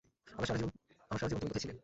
আমার সারা জীবন তুমি কোথায় ছিলে?